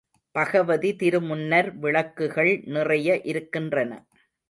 பகவதி திருமுன்னர் விளக்குகள் நிறைய இருக்கின்றன.